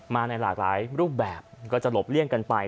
มาในหลากหลายรูปแบบก็จะหลบเลี่ยงกันไป